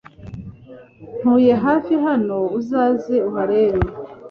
Ntuye hafi hano uzaze uharebe